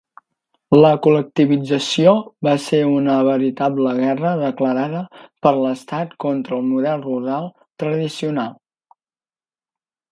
La col·lectivització va ser una veritable guerra declarada per l'estat contra el model rural tradicional.